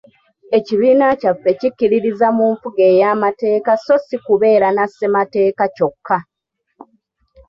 Ekibiina kyaffe kikkiririza mu nfuga ey'amateeka so si kubeera na Ssemateeka kyokka.